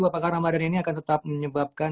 apakah ramadhan ini akan tetap menyebabkan